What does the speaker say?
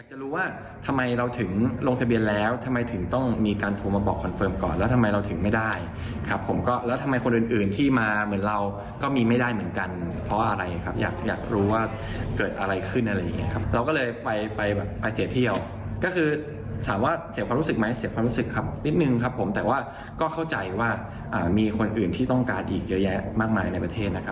หรือคนอื่นที่ต้องการอีกเยอะแยะมากมายในประเทศนะครับ